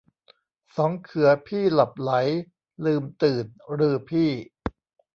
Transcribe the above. สองเขือพี่หลับใหล ลืมตื่น ฤๅพี่